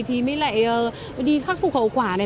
thì mới lại đi khắc phục hậu quả này